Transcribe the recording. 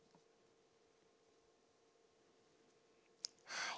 はい。